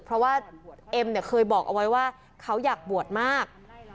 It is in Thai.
เพราะว่าเอ็มเนี่ยเคยบอกเอาไว้ว่าเขาอยากบวชมาก